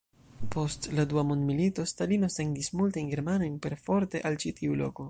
Post la Dua Mondmilito, Stalino sendis multajn germanojn perforte al ĉi tiu loko.